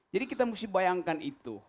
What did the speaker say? jadi kita mesti bayangkan itu